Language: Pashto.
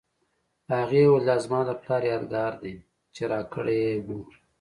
هغې وویل دا زما د پلار یادګار دی چې راکړی یې و